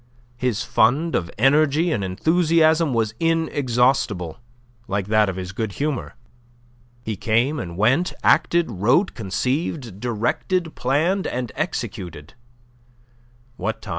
His fund of energy and enthusiasm was inexhaustible, like that of his good humour. He came and went, acted, wrote, conceived, directed, planned, and executed, what time M.